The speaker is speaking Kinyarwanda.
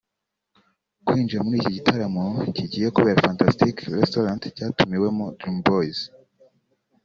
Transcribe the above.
Kwinjira muri iki gitaramo kigiye kubera Fantastic Restaurant cyatumiwemo Dream Boys